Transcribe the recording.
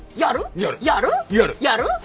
やる！